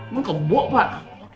lu kebok pak